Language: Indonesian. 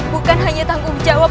bukan hanya tanggung jawab